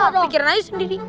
pikiran aja sendiri